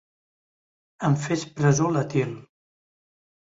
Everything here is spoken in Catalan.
Em fes presó l'Etil.